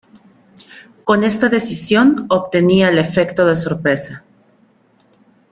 Con esta decisión obtenía el efecto de sorpresa.